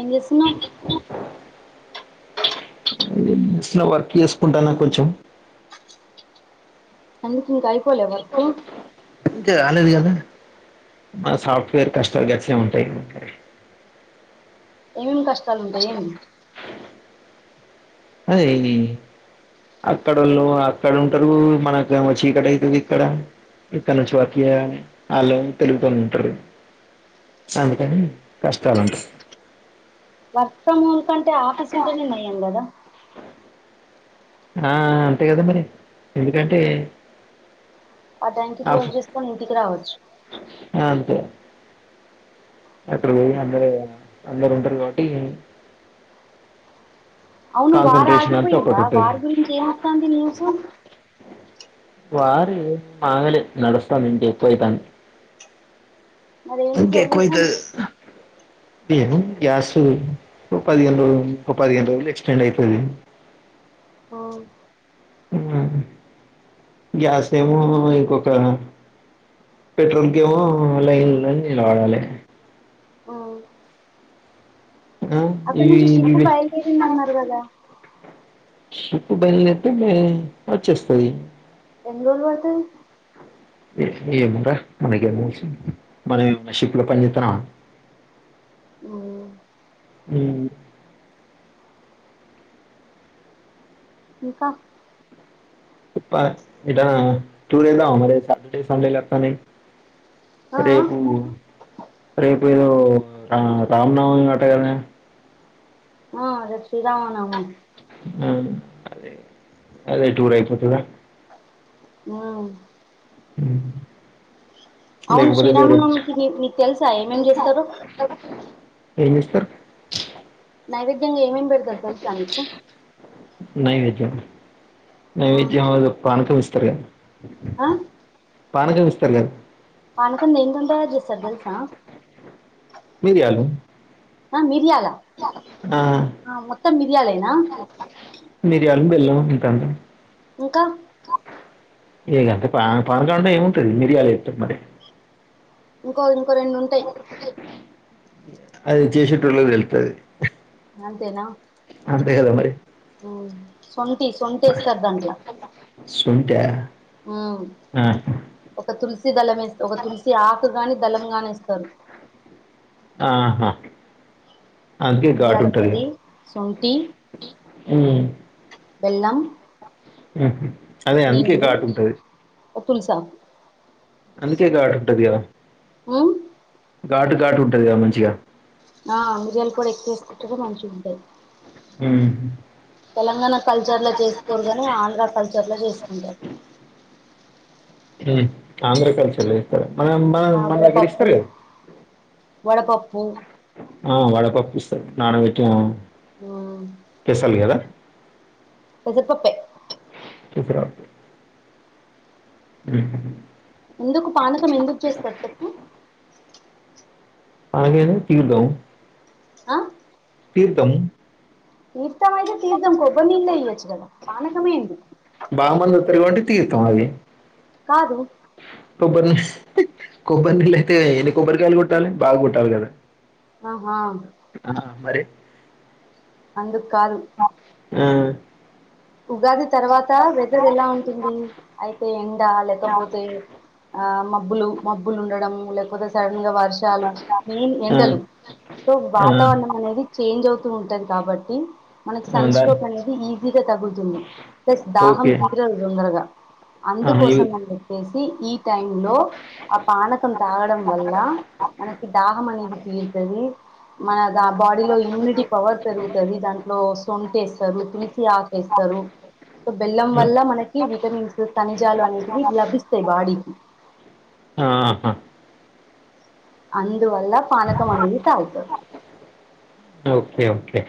ఏం చేస్తున్నావ్ slow work చేసుకుంటానా కొంచెం అందుకు ఇంకా అయిపోలే వర్క్ కాలేదు కదా మన సాఫ్ట్వేర్ కష్టల్ గట్లే ఉంటాయి ఏమ్ కస్ట్ సమ్ తెమ్ అదేఏంది అక్కడళ్ళు అక్కడ ఉంటరు మనకేమో చీకటి ఐయితది ఇక్కడ ఇక్కనుంచి వర్క్ చేయాలి వాళ్ళు తెలివి తోని ఉంటరు సో అందుకని కష్టాలు ఉంటయి వర్క్ ఫ్రమ్ హోమ్ కంటే ఆఫీస్ ఉంటేనే నయం కదా ఆ అంతే కద మరి ఎందుకంటే ఆ టైమ్ కి క్లోజ్ ఆఫ్- చేసుకొని ఇంటికి రావచ్చు ఆ, అట్టర్ వేయ ఆందరేయ అందరు ఉంటరు కాబట్టి అవును వార్ కాన్సన్ట్రేషన్ అంతా ఆగిపోయిందా ఒకటి ఉంటుంది వార్ గురించి ఏమస్తాంది న్యూసు వారు మానాలే నడుస్తాంది ఇంకా ఎక్కువ అయితాంది మరేంటి సొల్యూషన్ ఏమో గ్యాస్ ఓ పదిహేను రోజులు పదిహేను రోజులు ఎక్స్టెండ్ అయితది ఓ ఉన్న గ్యాస్ ఏమో ఇంకొక పెట్రోల్కి ఏమో లైన్ లైన్ నిలబడాలి మ్మ్ ఆ, అక్కడ ఇవి నుంచి షిప్పు ఇవి బయలుదేరింది అన్నారు గదా షిప్ బయల్దేరితే మే వచ్చేస్తది ఎన్ రోలు వడుతది ఏమో రా మనకేం తెలుసు మనం ఏమైనా షిప్ లో పని చేతన్నామా మ్మ్ ఇంకా ఇప్ప ఇట స్టూల్ ఏదామా మరి శాటర్డే సండేలు అతన్నాయ్ ఆ ఆ రేపువు రేపు ఏదో రా రామనవమి అంట గదా ఆ అదేచు శ్రీరామనవమి అదే అదే టూర్ అయిపోతద న అవును లేకపోతే వేరే శ్రీరామనవమికి నీకు నీకు తెలుసా ఏం ఏం చేస్తరో ఏంచేస్తరు నైవేధ్ ద్యంగా ఏం ఏం పెడతారు తెలుసా నీకు నైవేద్యం ఆ నైవేద్యం ఏదో పానకం ఇస్ పెరుగ ఆ పానకం ఇస్తారు గాదు పానకం దేనితో తయారుచేస్తారు తెలుసా మిరియాలు ఆ మిరియాలు ఆ, మొత్తం మిర్యాలేనా [unintelligible] ఇంకా ఇగంతే [unintelligible] ఏముంటది మిరియాలు ఏత్తే మరి ఇంకో ఇంకో రెండుంటాయి అది చేసేటోలకి తెలుస్తది అంతేనా అంతే కదా మరి శొంఠి శొంఠి వేస్తారు దాంట్లో శొంఠా ఒక తులసి దల మే ఒక తులసి ఆ కు గాని దళం గానే వేస్తారు ఆహా అందుకే ఘాటు మిరియాల ఉంటది పొడి సొంటి బెల్లం అదే అందుకే గాటు ఉంటది తులస ఘాటు ఉంటుంది కదా ఉమ్ ఘాటు ఘాటు ఉంటదిగా మంచిగా ఆ మిరియాలు పొడి ఎక్కువ వేసుకుంటేనే మంచిగా ఉంటది ఉమ్. తెలంగాణ కల్చర్ లో చేసుకోరు కాని ఆంధ్ర కల్చర్ లో చేసుకుంటారు మామ్ ఆంద్ర కల్చాల మ మన ఆ మనగ ఇస్తర వడపప్పు వడపప్పు ఆ వడ పప్పు ఇస్తారు నాణ వెటి ఉమ్ స్పెషల్ కదా పెసరపప్పే తీసురా హ్మ్ ఎందుకు పానకం ఎందుకు చేస్తారు చెప్పు ఆనియను తీర్థం ఆ తీర్థం ఇ అయితే తీర్థం కొబ్బరినీళ్లే ఈయోచ్చు గద పానకమే [unintelligible] తీర్థం ఆయే కాదు కొబ్బరి కొబ్బరి నీళ్ళు అయితే ఎన్ని కొబ్బరికాయలు కొట్టాలి బాగా కొట్టాలి కదా! ఆహా ఆ, అందు ఆ ఆ ఉగాది తర్వాత వెదర్ ఎలా ఉంటుంది అయితే ఎండ లేకపోతే ఆ మబ్బులు మబ్బులు ఉండడం లేకపోతే సడన్ గా వర్షాలు మెయిన్ ఆ, ఎండలు సో ఆ, వాతావరణం అనేది చేంజ్ అవుతు ఉంటది కాబట్టి మనకి ఆ, దా- సన్స్ట్రోక్ అనేది ఈజీగా తగుల్ ప్లస్ దాహం ఓకే తీరదు తొందరగా ఆహా, ఇవి అందుకోసం అని చెప్పేసి ఈ టైం లో ఆ పానకం తాగడం వల్ల మనకి దాహం అనేది తీరతది. మన ఆ బాడీలో ఇమ్యూనిటీ పవర్ పెరుగుతుంది దాంట్లో సొన్ తెసరూ తులుసి ఆ ఎస్తరు బెల్లం ఆ, వల్ల మనకి విటమిన్స్ ఖనిజాలు అనేటివి లభిస్తాయి బాడీకి ఆహా అ అందు వల్ల పనకం అనేది తగుతా ఓకే ఓకే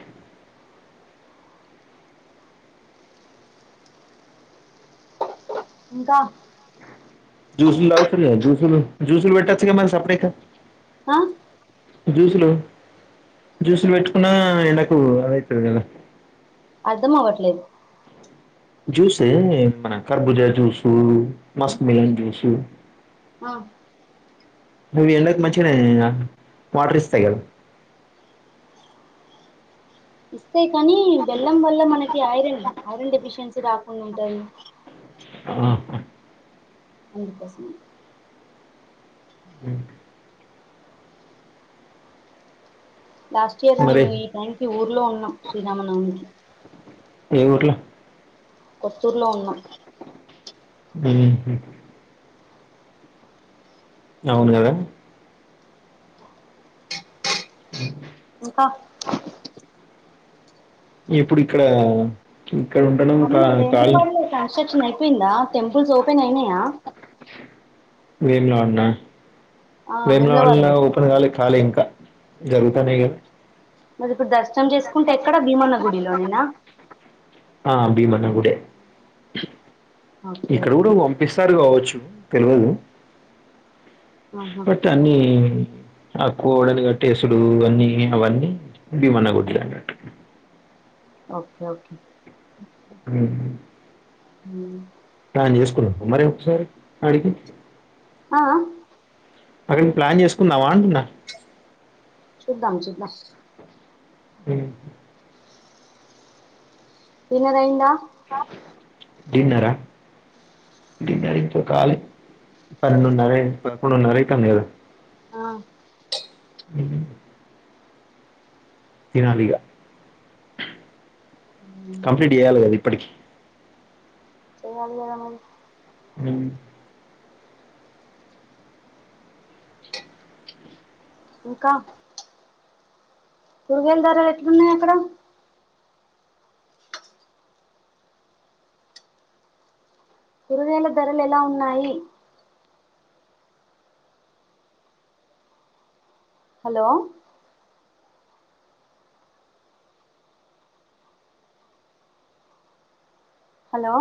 ఇంకా జ్యూసులు తగుతరు కదా జ్యూసులు జ్యూసులు పెట్టచ్చు గ మరి సాపడేక్క ఆ జ్యూసులు జ్యూసులు పెట్టుకున్న ఎండకు అదవుతుంది కదా అర్ధం అవ్వట్లేదు జ్యూసే మన కర్బుజా జ్యూసు మస్క్ మిలన్ జ్యూసు ఆ అవి ఎండకు మంచిగనే వాటర్ ఇస్తాయి కదా యి కానీ బెల్లం వల్ల మనకి ఐరన్ ఐరన్ డెఫిషియన్సీ రా వున్ ఉంటది ఆహ అందుకోసమే హ్మ్ లాస్ట్ ఇయర్ మరి మేము ఈ టైంకి ఊర్లో ఉన్నాం శ్రీరామనవమికి ఏ ఊర్లో కొత్తూర్లో ఉన్నాం హ్మ్ హు అవును గదా ఇంకా ఇప్పుడు ఇక్కడ ఇక్కడ ఉండడం కా అవును కాల్ వేములవాడలో కన్స్ట్రక్షన్ అయిపోయిందా టెంపుల్స్ ఓపెన్ అయినాయా వేములడ్లోన వేములవాడలో ఓపెన్ కాలే కాలే ఇంకా జరుగుతన్నాయ్ గ మరి ఇప్పుడు దర్శనం చేసుకుంటే ఎక్కడ భీమన గుడిలోనేనా ఆ భీమనా గుడే ఓకే ఇక్కడ ఓకే కూడా పంపిస్తారు కావచ్చు తెల్వదు ఆహా బట్ అన్ని ఆ కోడ్లాని గట్టి ఎసుడు అన్నీ అవన్నీ భిమన గుడ్లనట్టు ఓకే ఓకే అ హ తనం చేసుకున్నావ మర ఒకసారి అడికి ఆ అక్కడ ప్లాన్ చేసుకున్నావా అంటున్నా చూద్దాం చూద్దాం హ తినేదయ్యిందా ఆ డిన్నరా డిన్నర్ ఇంక కాలే పన్నెండున్నర పదకొండున్నర ఐతందిగ ఆ తినాలిగా ఉమ్, కంప్లీట్ చేయాలి కదా ఇప్పటికి వన్ జీరో నైన్ హ ఇంకా కూరుగాయలు ధరలు ఎట్లున్నాయి అక్కడ కూరుగాయలు ధరలు ఎలా ఉన్నాయి హలో హలో